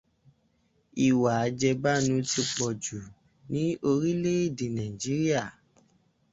ìwà àjẹbánu ti pọjù ní orílẹ̀ èdè Nàìjíríà.